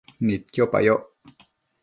Nidquipa yoc